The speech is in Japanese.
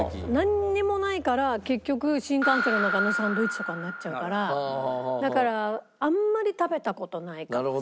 なんにもないから結局新幹線の中のサンドイッチとかになっちゃうからだからあんまり食べた事ないかもしれない。